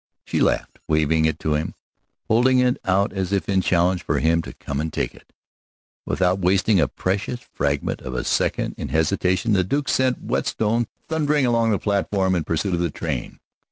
She laughed, waving it to him, holding it out as if in challenge for him to come and take it. Without wasting a precious fragment of a second in hesitation the Duke sent Whetstone thundering along the platform in pursuit of the train.